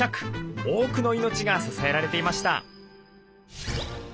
多くの命が支えられていました。